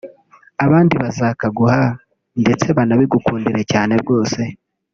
abandi bazakaguha ndetse banabigukundire cyane rwose